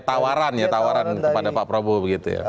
tawaran ya tawaran kepada pak prabowo begitu ya